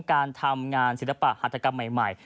การทำงานศิลปะหัตกรรมใหม่